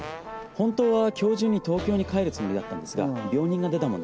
本当はきょう中に東京に帰るつもりだったんですが病人が出たもんで。